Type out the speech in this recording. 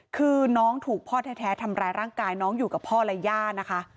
คือน้องถูกพ่อแท้ทำร้ายร่างกายน้องอยู่กับพ่อและย่านะคะ